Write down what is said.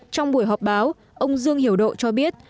trong buổi họp báo ông dương hiểu độ cho biết